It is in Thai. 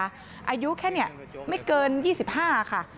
อายุแค่นี้ไม่เกิน๒๕ค่ะ